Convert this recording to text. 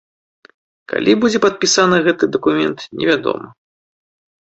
Калі будзе падпісаны гэты дакумент, невядома.